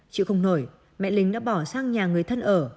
chịu không nổi mẹ linh đã bỏ sang nhà người thân ở